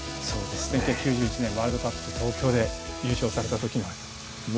１９９１年ワールドカップ、東京で優勝された時の。